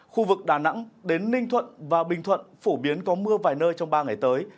khu vực đà nẵng đến ninh thuận và bình thuận phổ biến có mưa vài nơi trong ba ngày tới